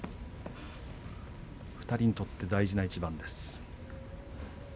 ２人にとって大事な一番です。